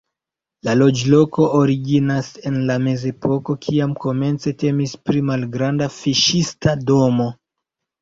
La loĝloko originas en la mezepoko, kiam komence temis pri malgranda fiŝista domo.